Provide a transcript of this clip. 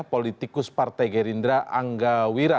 politikus partai gerindra angga wira